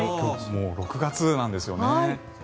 もう６月なんですよね。